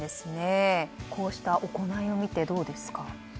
こうした行いを見てどうですか？